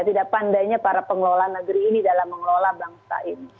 tidak pandainya para pengelola negeri ini dalam mengelola bangsa ini